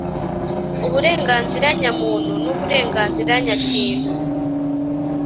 uburenganzira nyamuntu n uburenganzira nyakintu